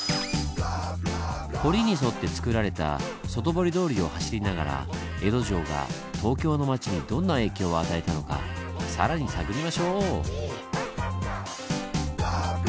堀に沿ってつくられた外堀通りを走りながら江戸城が東京の町にどんな影響を与えたのか更に探りましょう！